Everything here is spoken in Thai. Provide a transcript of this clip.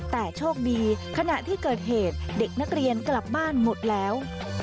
แต่โชคดีขณะที่เกิดเหตุเด็กนักเรียนกลับบ้านหมดแล้ว